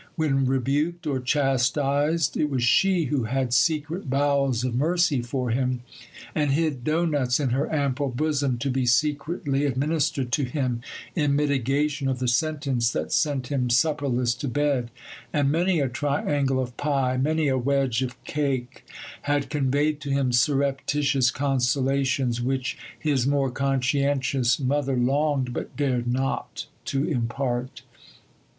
When rebuked or chastised, it was she who had secret bowels of mercy for him, and hid doughnuts in her ample bosom to be secretly administered to him in mitigation of the sentence that sent him supperless to bed; and many a triangle of pie, many a wedge of cake, had conveyed to him surreptitious consolations which his more conscientious mother longed, but dared not, to impart.